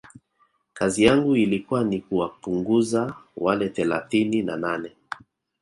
kazi yangu ilikuwa ni kuwapunguza wale thelathini na nane